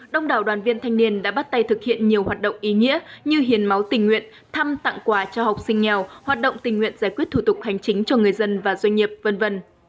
điều ý nghĩa như hiền máu tình nguyện thăm tặng quà cho học sinh nghèo hoạt động tình nguyện giải quyết thủ tục hành chính cho người dân và doanh nghiệp v v